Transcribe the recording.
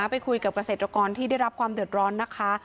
ไปคุยกับเกษตรกรที่ได้รับความเดือดร้อนนะคะ